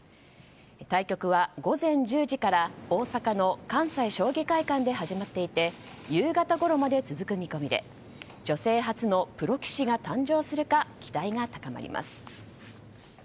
対局は午前１０時から大阪の関西将棋会館で始まっていて夕方ごろまで続く見込みで女性初のプロ棋士が誕生するか期待が高まります。